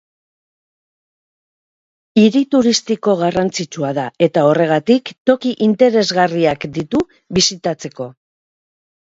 Hiri turistiko garrantzitsua da, eta horregatik toki interesgarriak ditu bisitatzeko.